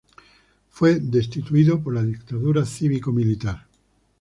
Fue destituido por la Dictadura cívico-militar.